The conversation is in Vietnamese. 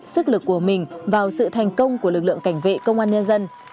sức lực của mình vào sự thành công của lực lượng cảnh vệ công an nhân dân